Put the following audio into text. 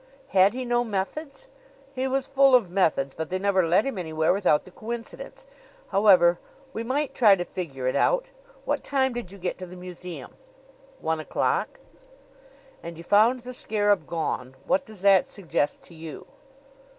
"Had he no methods?" "He was full of methods; but they never led him anywhere without the coincidence. However, we might try to figure it out. What time did you get to the museum?" "One o'clock." "And you found the scarab gone. What does that suggest to you?"